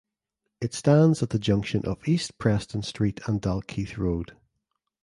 It stands at the junction of East Preston Street and Dalkeith Road.